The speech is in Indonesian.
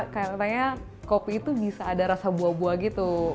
kayak katanya kopi itu bisa ada rasa buah buah gitu